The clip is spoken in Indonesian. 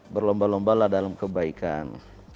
berlomba lomba dalam kebaikan